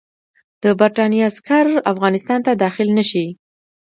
د برټانیې عسکر افغانستان ته داخل نه شي.